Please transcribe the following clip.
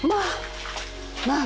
まあ！